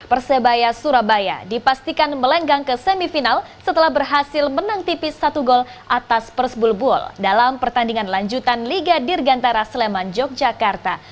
persebaya surabaya dipastikan melenggang ke semifinal setelah berhasil menang tipis satu gol atas persebul buol dalam pertandingan lanjutan liga dirgantara sleman yogyakarta